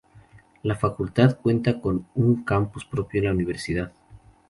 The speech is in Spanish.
La Facultad cuenta con un campus propio en la Universidad.